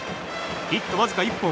ヒットわずか１本。